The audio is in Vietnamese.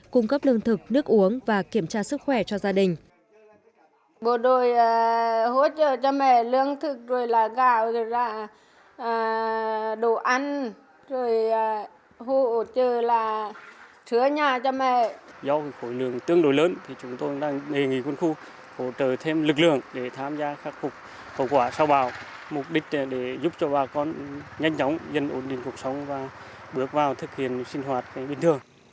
cung cấp lương thực nước uống và kiểm tra sức khỏe cho gia đình